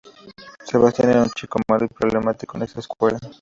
Sebastian era un chico malo y problemático en esta escuela.